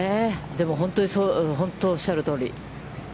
でも本当に、本当おっしゃるとおり。